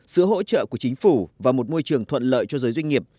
sự hỗ trợ của chính phủ và một môi trường thuận lợi cho giới doanh nghiệp